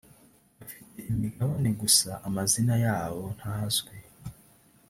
bafite imigabane gusa amazina yabo ntazwi